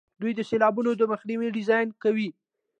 دوی د سیلابونو د مخنیوي ډیزاین کوي.